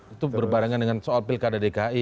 itu berbarengan dengan soal pilkada dki